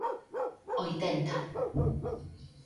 Oitenta.